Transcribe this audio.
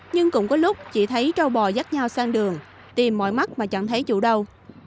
nhưng cũng có lúc chỉ thấy trâu bò dắt nhau sang đường tìm mỏi mắt mà chẳng thấy chủ đâu